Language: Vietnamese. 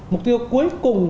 mục tiêu cuối cùng